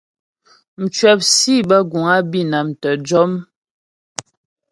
Mcwəp sǐ bə́ guŋ á Bǐnam tə́ jɔm.